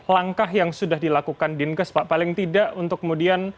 langkah yang sudah dilakukan dinkes pak paling tidak untuk kemudian